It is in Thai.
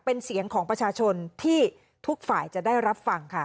เป็นเสียงของประชาชนที่ทุกฝ่ายจะได้รับฟังค่ะ